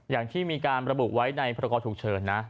อย่างที่มีการระบุไว้ในพระราคาถูกเชิญนะ